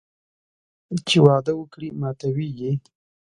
چې وعده وکړي ماتوي یې